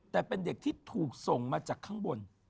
แต่เป็นเด็กที่ถูกส่งมาจากข้างบน